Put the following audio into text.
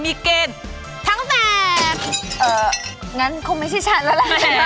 แม่บ้านประจันบัน